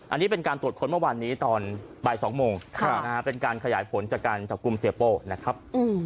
อันนี้เป็นการตรวจค้นเมื่อวานนี้ตอนบ่าย๒โมงเป็นการขยายผลจากการจับกลุ่มเสียโป้นะครับ